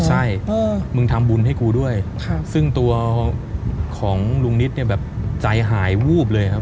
ใช่มึงทำบุญให้กูด้วยซึ่งตัวของลุงนิดเนี่ยแบบใจหายวูบเลยครับ